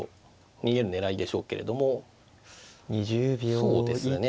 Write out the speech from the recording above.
そうですね。